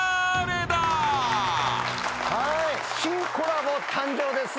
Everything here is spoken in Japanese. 新コラボ誕生です。